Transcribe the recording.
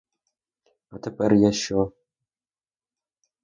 А тепер я що?